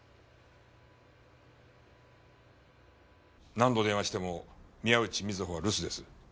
何度電話しても宮内美津保は留守です。